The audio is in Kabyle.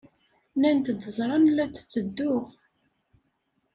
Nnant-d ẓran la d-ttedduɣ.